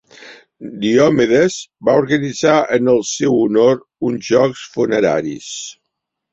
Diomedes va organitzar en el seu honor uns Jocs Funeraris.